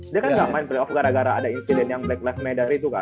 dia kan ga main playoff gara gara ada incident yang black lives matter itu kan